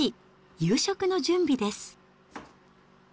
夕食の準備です。